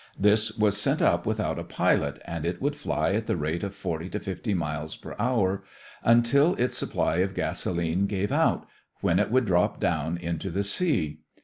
This was sent up without a pilot and it would fly at the rate of forty to fifty miles per hour until its supply of gasolene gave out, when it would drop down into the sea.